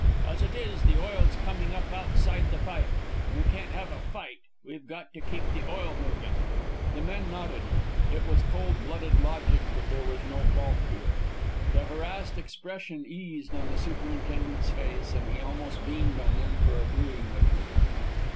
As it is, the oil's coming up outside the pipe. And we can't have a fight. We've got to keep the oil moving." The men nodded. It was cold blooded logic; but there was no fault to it. The harassed expression eased on the superintendent's face, and he almost beamed on them for agreeing with him.